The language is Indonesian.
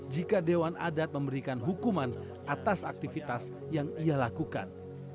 jika dewan adat memberikan hukuman atas aktivitas yang ia lakukan